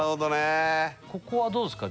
ここはどうですか？